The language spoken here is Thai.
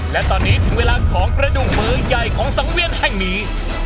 และตอนนี้ถึงเวลาของกระดูกมือใหญ่ของสังเวียนแห่งนี้